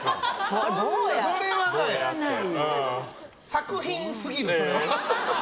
作品すぎる、それは。